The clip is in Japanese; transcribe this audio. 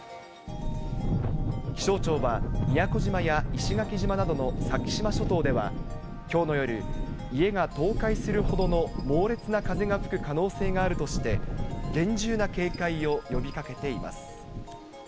気象庁は、宮古島や石垣島などの先島諸島では、きょうの夜、家が倒壊するほどの猛烈な風が吹く可能性があるとして、厳重な警戒を呼びかけています。